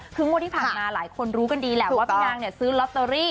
คืองวดที่ผ่านมาหลายคนรู้กันดีแหละว่าพี่นางเนี่ยซื้อลอตเตอรี่